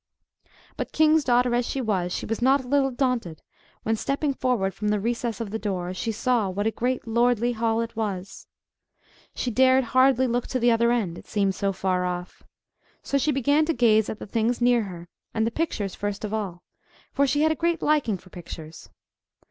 But, king's daughter as she was, she was not a little daunted when, stepping forward from the recess of the door, she saw what a great lordly hall it was. She dared hardly look to the other end, it seemed so far off: so she began to gaze at the things near her, and the pictures first of all, for she had a great liking for pictures.